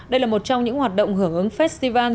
đây là một trong những hoạt động hưởng ứng festival